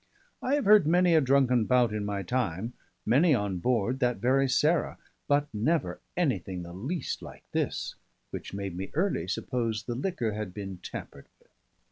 I have heard many a drunken bout in my time, many on board that very Sarah, but never anything the least like this, which made me early suppose the liquor had been tampered with.